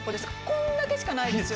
こんだけしかないですよ